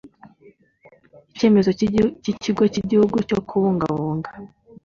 icyemezo cy ikigo cy igihugu cyo kubungabunga